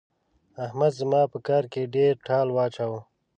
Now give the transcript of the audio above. احمد زما په کار کې ډېر ټال واچاوو.